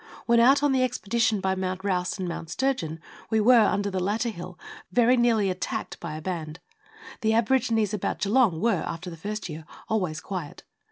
When out on the expedition by Mount Rouse and Mount Sturgeon we were, under the latter hill, very nearly attacked by a band. The aborigines about Geelong were, after the first year, always quiet.